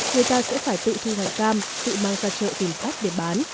người ta sẽ phải tự thu hoạch cam tự mang ra chợ tìm cách để bán